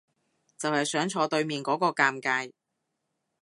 就係想坐對面嗰個尷尬